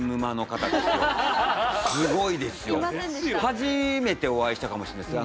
初めてお会いしたかもしんないです